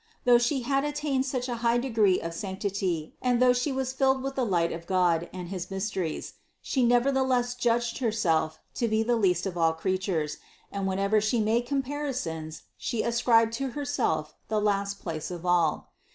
Though She had attained such a high degree of sanctity and though She was filled with the light of God and his mysteries, She nevertheless judged Herself to be the least of all creatures, and whenever She made compari sons, She ascribed to herself the last place of all.